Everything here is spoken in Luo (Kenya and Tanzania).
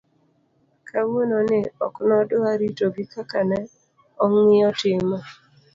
kawuono ni, ok nodwa ritogi kaka ne ong'iyo timo